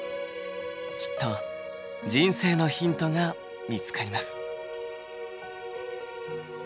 きっと人生のヒントが見つかります。